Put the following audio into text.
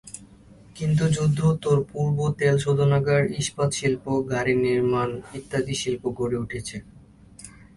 কিন্তু যুদ্ধোত্তর পর্বে তেল শোধনাগার, ইস্পাত শিল্প, গাড়ি নির্মাণ ইত্যাদি শিল্প গড়ে উঠেছে।